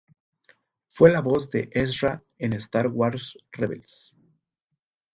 Fue la voz de Ezra en "Star Wars Rebels".